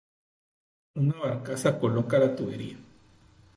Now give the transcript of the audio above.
Una barcaza coloca la tubería.